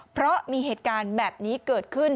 เพราะมีเหตุการณ์แบบนี้เกิดขึ้น